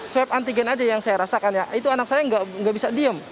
swab antigen aja yang saya rasakan ya itu anak saya nggak bisa diem